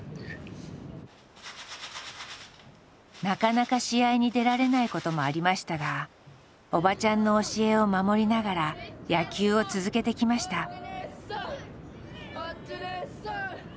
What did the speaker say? なかなか試合に出られないこともありましたがおばちゃんの教えを守りながら野球を続けてきました。